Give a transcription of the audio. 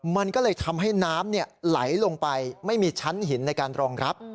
มันก็เลยทำให้น้ำไหลลงไปไม่มีชั้นหินในการรองรับ